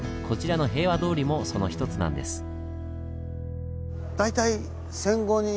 こちらの「平和通り」もその一つなんです。